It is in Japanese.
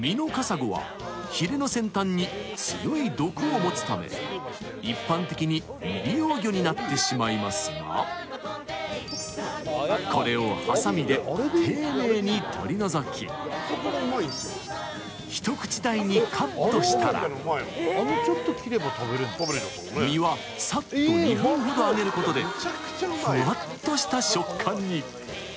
ミノカサゴはヒレの先端に強い毒を持つため一般的に未利用魚になってしまいますが、これをはさみで丁寧に取り除き、一口大にカットしたら、身はさっと２分ほど揚げることでふわっとした食感に。